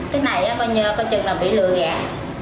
cái này coi như con chừng là bị lừa gạt